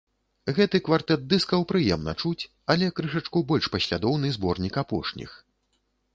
Гэты квартэт дыскаў прыемна чуць, але крышачку больш паслядоўны зборнік апошніх.